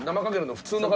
普通の方。